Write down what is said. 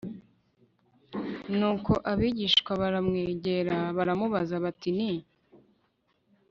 nuko abigishwa baramwegera baramubaza bati ni